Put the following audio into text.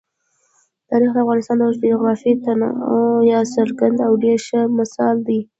تاریخ د افغانستان د جغرافیوي تنوع یو څرګند او ډېر ښه مثال دی.